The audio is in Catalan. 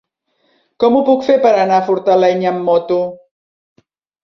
Com ho puc fer per anar a Fortaleny amb moto?